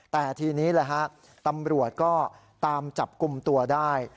แต่ทีนี้ตำรวจก็ตามจับกุมตัวได้